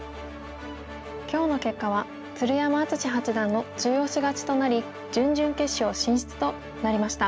今日の結果は鶴山淳志八段の中押し勝ちとなり準々決勝進出となりました。